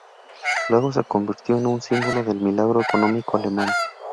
Luego se convirtió en un símbolo del "milagro económico alemán".